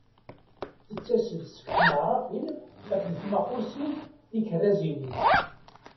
Tettas-d seg tneɣrafin akked tmaqqusin tikerrazanin.